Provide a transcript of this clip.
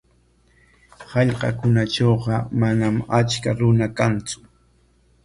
Hallqakunatrawqa manam achka runa kantsu.